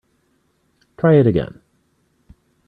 Try it again.